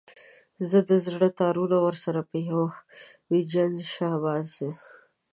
زما د زړه تارونه ورسره په يوه ويرجن شهباز.